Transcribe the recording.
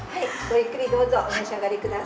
ゆっくりどうぞお召し上がりください。